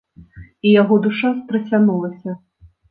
І яго душа страсянулася.